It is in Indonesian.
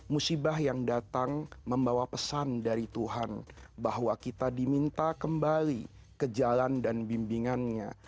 musibah yang datang membawa pesan dari tuhan bahwa kita diminta kembali ke jalan dan bimbingannya